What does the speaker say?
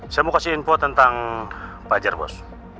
saya mau kasih info tentang pak jar bos